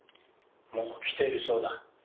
もう来ているそうだ。